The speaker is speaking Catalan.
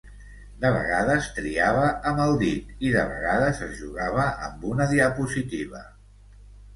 De vegades triava amb el dit i de vegades es jugava amb una diapositiva.